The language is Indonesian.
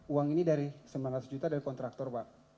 uang ini dari sembilan ratus juta dari kontraktor pak